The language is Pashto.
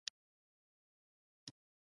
موږ اوس د کلیسا له حدودو څخه را تېر شوي و.